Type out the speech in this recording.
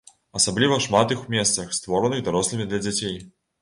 Асабліва шмат іх у месцах, створаных дарослымі для дзяцей.